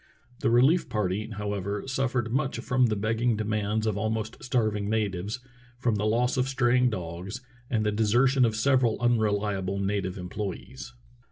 The relief party, however, suffered much from the begging demands of almost starving natives, from the loss of straying dogs, and the deser tion of several unreliable native employees.